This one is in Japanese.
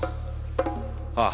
ああ。